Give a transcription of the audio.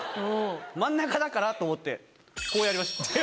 真ん中だからと思ってこうやりました。